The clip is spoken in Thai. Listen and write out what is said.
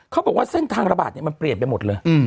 เขาบอกว่าเส้นทางระบาดมันเปลี่ยนไปหมดเลย